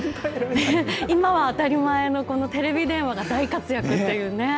今は当たり前のこのテレビ電話が大活躍という。